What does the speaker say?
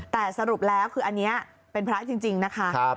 แต่สรุปแล้วคืออันนี้เป็นพระจริงนะคะ